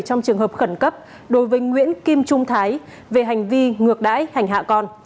trong trường hợp khẩn cấp đối với nguyễn kim trung thái về hành vi ngược đáy hành hạ con